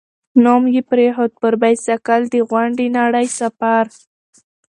نوم یې پرېښود، «پر بایسکل د غونډې نړۍ سفر».